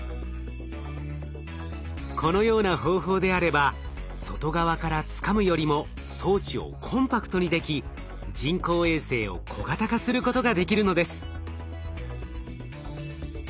このような方法であれば外側からつかむよりも装置をコンパクトにでき人工衛星を小型化することができるのです。